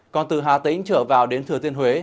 còn từ hà tĩnh trở vào đến thừa thiên huế